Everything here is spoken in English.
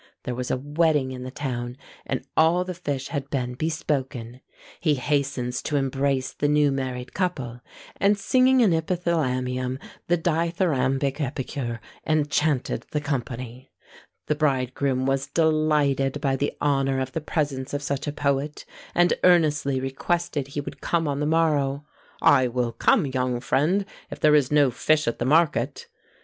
There was a wedding in the town, and all the fish had been bespoken. He hastens to embrace the new married couple, and singing an epithalamium, the dithyrambic epicure enchanted the company. The bridegroom was delighted by the honour of the presence of such a poet, and earnestly requested he would come on the morrow. "I will come, young friend, if there is no fish at the market!"